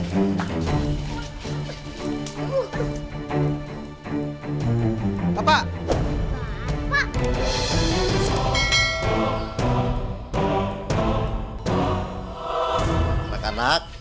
masih mau maling ya